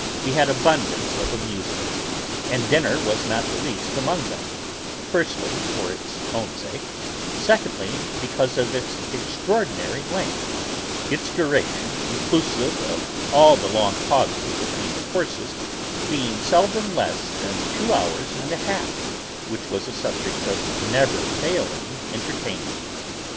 We had abundance of amusements, and dinner was not the least among them: firstly, for its own sake; secondly, because of its extraordinary length: its duration, inclusive of all the long pauses between the courses, being seldom less than two hours and a half; which was a subject of never failing entertainment.